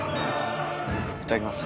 いただきます。